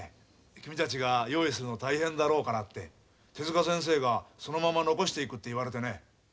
君たちが用意するの大変だろうからって手先生がそのまま残していくって言われてね。